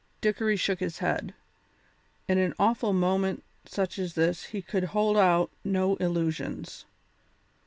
Dickory shook his head. In an awful moment such as this he could hold out no illusions.